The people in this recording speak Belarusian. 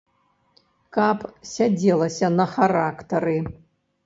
Каб сядзелася на характары.